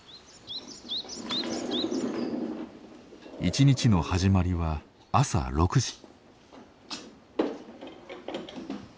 一日の始まりは朝６時。